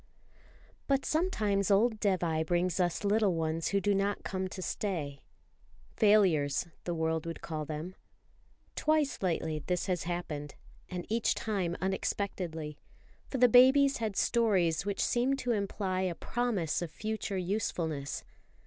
BUT sometimes old Dévai brings us little ones who do not come to stay. Failures, the world would call them. Twice lately this has happened, and each time unexpectedly; for the babies had stories which seemed to imply a promise of future usefulness.